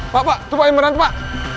pak pak tupain berantem pak